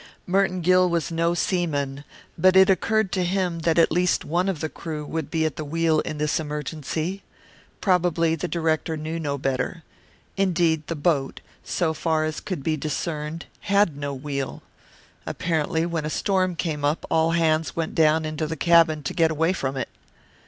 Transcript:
Merton Gill was no seaman, but it occurred to him that at least one of the crew would be at the wheel in this emergency. Probably the director knew no better. Indeed the boat, so far as could be discerned, had no wheel. Apparently when a storm came up all hands went down into the cabin to get away from it.